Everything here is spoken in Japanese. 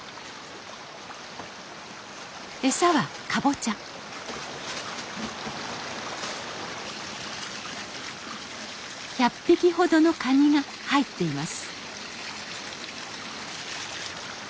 餌はかぼちゃ１００匹ほどのカニが入っています